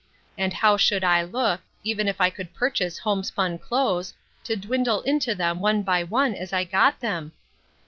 And how should I look, even if I could purchase homespun clothes, to dwindle into them one by one, as I got them?